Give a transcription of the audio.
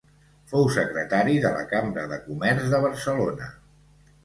Fou secretari de la Cambra de Comerç de Barcelona.